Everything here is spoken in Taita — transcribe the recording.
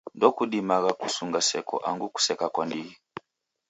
Ndokudimagha kusunga seko angu kuseka kwa ndighi.